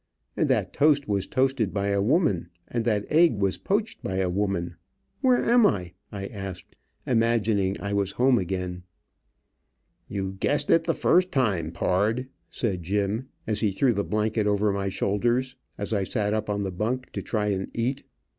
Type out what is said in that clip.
And that toast was toasted by a woman, and that egg was poached by a woman. Where am I?" I asked, imagining that I was home again. "You guessed it the first time, pard," said Jim, as he threw the blanket over my shoulders, as I sat up on the bunk to try and eat.